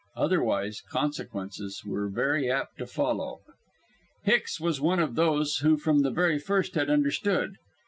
Otherwise, consequences were very apt to follow. Hicks was one of those who from the very first had understood.